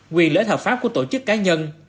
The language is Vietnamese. quyền lợi ích hợp pháp của tổ chức cá nhân